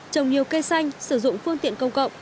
trồng nhiều cây xanh sử dụng phương tiện công cộng